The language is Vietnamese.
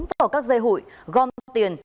vào các dây hụi gom tiền